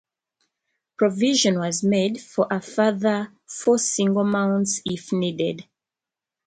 Provision was made for a further four single mounts if needed.